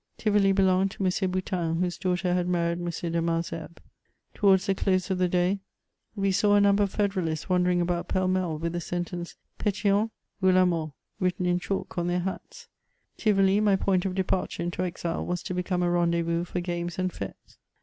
Tivoli belonged to M. Boutin, whose daughter had married M. de Malesherbes. Towards the close of the day we saw a number of federalists wandering about pell mell, with the sen tence ^^ Pitiony ou la mortj" written in chalk on their hats. Tivoli, my point of departure into exile, was to become a raidezvous for games and f^tes.